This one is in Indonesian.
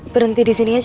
berhenti di sini aja